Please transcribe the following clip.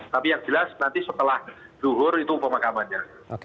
tapi yang jelas nanti setelah duhur itu pemakamannya